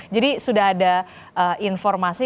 jadi sudah ada informasi